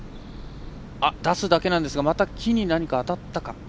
出すだけなんですが木に、また当たったか。